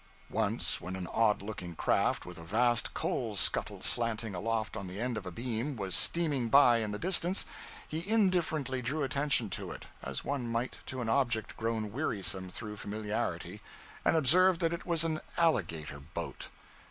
Once, when an odd looking craft, with a vast coal scuttle slanting aloft on the end of a beam, was steaming by in the distance, he indifferently drew attention to it, as one might to an object grown wearisome through familiarity, and observed that it was an 'alligator boat.'